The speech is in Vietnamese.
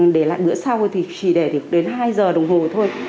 để lại bữa sau thì chỉ để đến hai giờ đồng hồ thôi